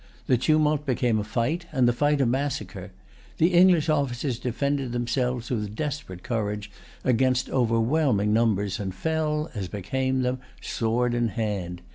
The tumult became a fight, and the fight a massacre. The English officers defended themselves with desperate courage against overwhelming numbers, and fell, as became them, sword in hand.